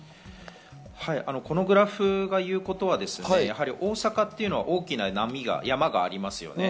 このグラフがいうことは大阪は大きな波が、山がありますよね。